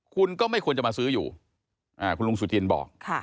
คุณก็ไม่ควรจะมาซื้ออยู่คุณลุงสุจินบอก